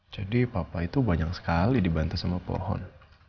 jadi papa itu banyak sekali dibantu sama pohon